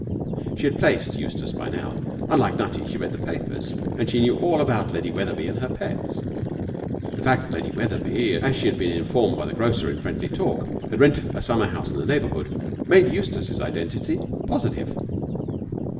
She had placed Eustace by now. Unlike Nutty, she read the papers, and she knew all about Lady Wetherby and her pets. The fact that Lady Wetherby, as she had been informed by the grocer in friendly talk, had rented a summer house in the neighbourhood made Eustace's identity positive.